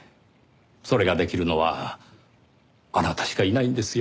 それができるのはあなたしかいないんですよ。